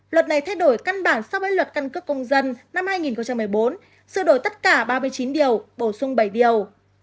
luật này thay đổi căn bản so với luật căn cước công dân năm hai nghìn một mươi bốn sự đổi tất cả ba mươi chín điều bổ sung bảy điều